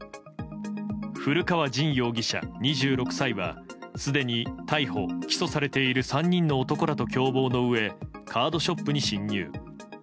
古川刃容疑者、２６歳はすでに逮捕・起訴されている３人の男らと共謀のうえカードショップに侵入。